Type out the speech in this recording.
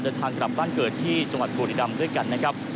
เดินทางกลับบ้านเกิดที่จังหวัดบุรีรำด้วยกันนะครับ